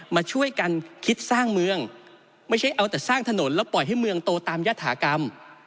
มาช่วยกันคิดสร้างเมืองไม่ใช่เอาแต่สร้างถนนแล้วปล่อยให้เมืองโตตามยฐากรรม